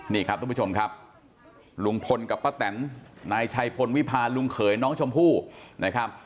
นี่ครับทุกผู้ชมครับลุงพลกับป้าแตนนายชัยพลวิพาลุงเขยน้องชมพู่นะครับ